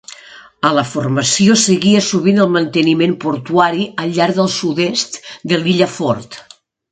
A la formació seguia sovint el manteniment portuari al llarg del sud-est de l'illa Ford.